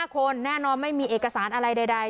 ๕คนแน่นอนไม่มีเอกสารอะไรใด